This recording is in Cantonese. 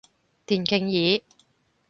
電競椅